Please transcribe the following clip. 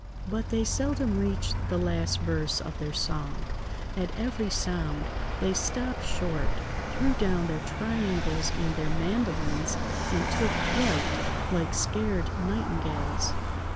But they seldom reached the last verse of their song; at every sound they stopped short, threw down their triangles and their mandolines, and took flight like scared nightingales.